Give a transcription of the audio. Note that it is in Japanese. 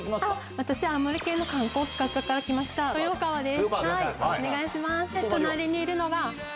私、青森県の観光企画課から来ました豊川です。